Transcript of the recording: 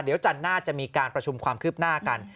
เดี๋ยวจันทร์หน้าจะมีการประชุมความคืบหน้ากัน